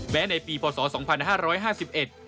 แม้ในปีพศ๒๕๕๑